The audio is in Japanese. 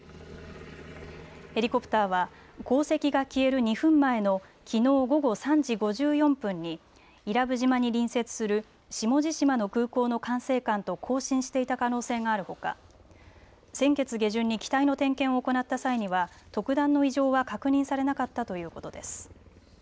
ヘリコプターは航跡が消える２分前のきのう午後３時５４分に伊良部島に隣接する下地島の空港の管制官と交信していた可能性があるほか、先月下旬に機体の点検を行った際には特段の異常は確認されなかったということです。